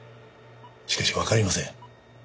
しかしわかりません。